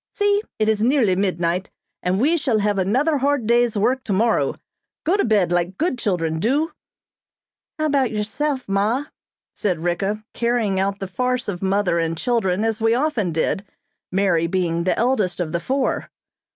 See! it is nearly midnight, and we shall have another hard day's work tomorrow. Go to bed like good children, do." "How about yourself, ma?" said Ricka, carrying out the farce of mother and children as we often did, Mary being the eldest of the four.